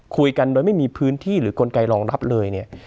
คุยกันโดยไม่มีพื้นที่หรือกลไกรองรับเลยเนี่ย